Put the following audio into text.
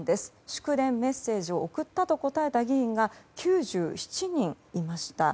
祝電・メッセージを送ったと答えた議員が９７人いました。